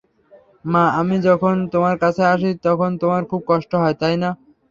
মা, আমি যখন তোমার কাছে আসি তখন তোমার খুব কষ্ট হয় তাই না।